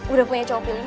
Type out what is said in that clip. udah punya cowok pilihan